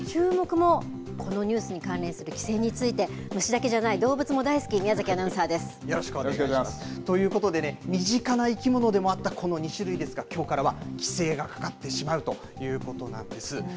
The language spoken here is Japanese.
もこのニュースに関連する規制について、虫だけじゃない動物も大好きな宮崎アナウンサーです。ということでね身近な生き物でもあったこの２種類ですがきょうからは規制がかかってしまうということなんです。